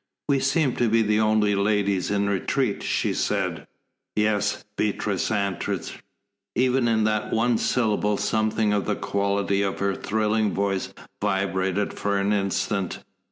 "We seem to be the only ladies in retreat," she said. "Yes," Beatrice answered. Even in that one syllable something of the quality of her thrilling voice vibrated for an instant.